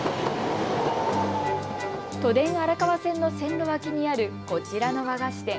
都電荒川線の線路脇にあるこちらの和菓子店。